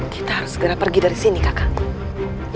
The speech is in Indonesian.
kita harus segera pergi dari sini kakak